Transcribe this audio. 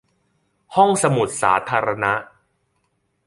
ห้องสมุดสาธารณะ